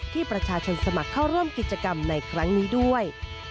ที่ประชาชนสมัครเข้าร่วมกิจกรรมในครั้งนี้ด้วย